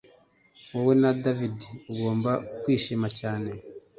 Wowe na David ugomba kwishima cyane